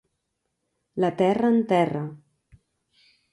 La terra enterra.